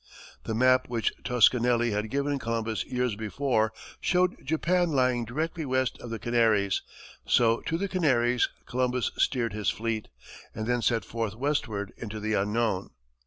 The map which Toscanelli had given Columbus years before showed Japan lying directly west of the Canaries, so to the Canaries Columbus steered his fleet, and then set forth westward into the unknown.